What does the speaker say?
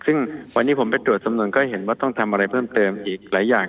ซึ่งวันนี้ผมไปตรวจสำนวนก็เห็นว่าต้องทำอะไรเพิ่มเติมอีกหลายอย่าง